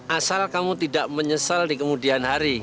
asal kamu tidak menyesal di kemudian hari